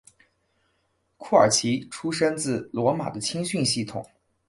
库尔奇出身自罗马的青训系统。